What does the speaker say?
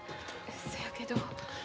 そやけど。